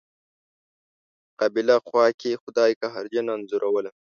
مقابله خوا کې خدای قهرجنه انځوروله.